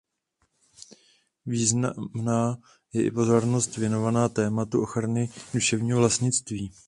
Významná je i pozornost věnovaná tématu ochrany duševního vlastnictví.